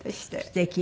すてき。